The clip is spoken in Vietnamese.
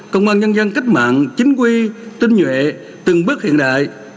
công an nhân dân cách mạng chính quy tinh nhuệ từng bước hiện đại